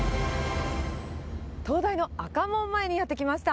東大の赤門前にやって来ました。